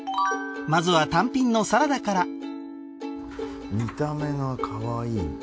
まずは単品のサラダから見た目がかわいい。